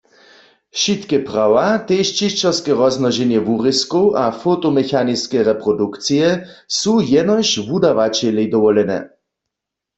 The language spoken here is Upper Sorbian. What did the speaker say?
Wšitke prawa, tež ćišćerske rozmnoženje wurězkow a fotomechaniske reprodukcije, su jenož wudawaćelej dowolene.